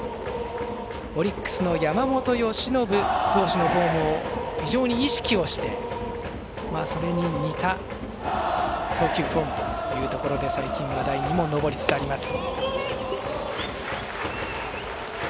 オリックスの山本由伸投手のフォームを非常に意識をして、それに似た投球フォームというところで最近、話題にも上りつつあります。